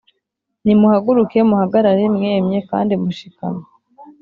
Nimuhaguruke muhagarare mwemye kandi mushikamye